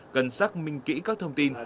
cần xác minh kỹ các thông tin